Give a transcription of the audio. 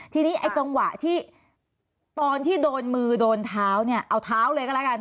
ทีนี้ไอ้จังหวะที่ตอนที่โดนมือโดนเท้าเนี่ยเอาเท้าเลยก็แล้วกัน